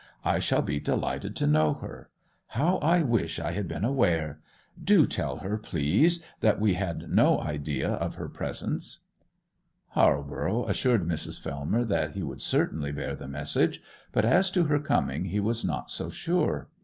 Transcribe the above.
I shall be delighted to know her. How I wish I had been aware! Do tell her, please, that we had no idea of her presence.' Halborough assured Mrs. Fellmer that he would certainly bear the message; but as to her coming he was not so sure.